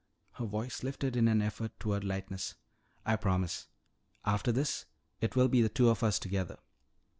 her voice lifted in an effort toward lightness. "I promise. After this it will be the two of us together.